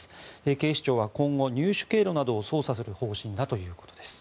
警視庁は今後、入手経路などを捜査する方針だということです。